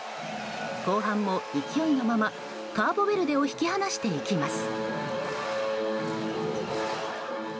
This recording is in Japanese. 後半も勢いのままカーボベルデを引き離していきます。